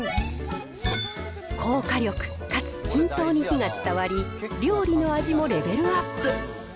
高火力かつ均等に火が伝わり、料理の味もレベルアップ。